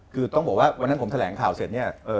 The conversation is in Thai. คือต้องบอกว่าวันทั้งนั้นผมแถลงข่าวเสร็จ